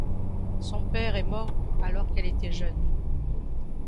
Son père est mort alors qu'elle était jeune.